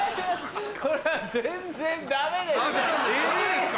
これは全然ダメです！